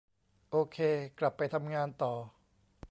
โอเค กลับไปทำงานต่อ